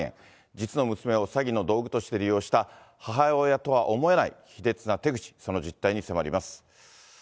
実の娘を詐欺の道具として利用した母親とは思えない卑劣な手口、その実態に迫ります。